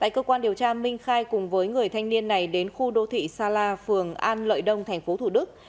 công an điều tra minh khai cùng với người thanh niên này đến khu đô thị sa la phường an lợi đông tp thủ đức